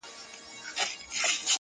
• موږ ګناه کار یو چي مو ستا منله,